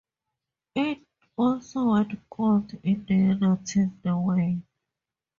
It also went gold in their native Norway.